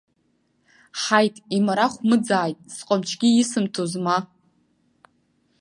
Ҳаит, имарахә мыӡааит, сҟамчгьы исымҭоз ма!